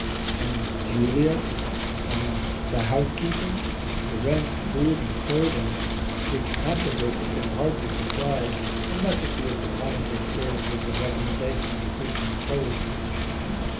And Julia? And the housekeeping? the rent, food, and clothing, which controversy can hardly supply unless it be of the kind that serves as a recommendation to certain posts.